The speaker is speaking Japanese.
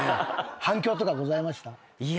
反響とかございました？